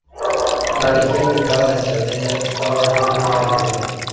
La legión ubicada en Cerdeña estaba sufriendo una epidemia.